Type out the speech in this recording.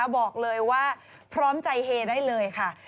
บอกเลยว่าพร้อมใจเฮได้เลยค่ะ